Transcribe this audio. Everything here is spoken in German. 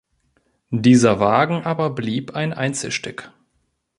Dieser Wagen aber blieb ein Einzelstück.